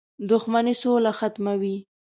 • دښمني سوله ختموي.